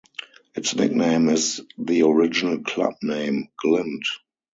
Its nickname is the original club name: Glimt.